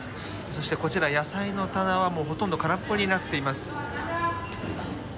そしてこちら、野菜の棚はほとんど空っぽになっています。